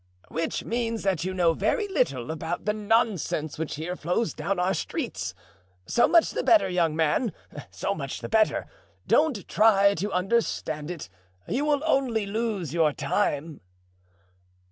"Which means that you know very little about the nonsense which here flows down our streets. So much the better, young man! so much the better! Don't try to understand it—you will only lose your time."